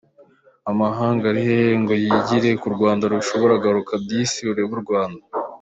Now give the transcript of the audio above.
Amahanga ari hehe ngo yigire ku Rwanda rwarabishoboye garuka disi urebe u Rwanda.